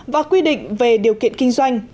và quy định về điều kiện kinh doanh